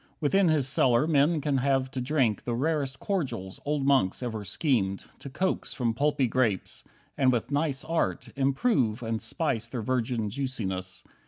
Within his cellar men can have to drink The rarest cordials old monks ever schemed To coax from pulpy grapes, and with nice art Improve and spice their virgin juiciness.